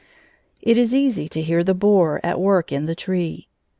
] It is easy to hear the borer at work in the tree.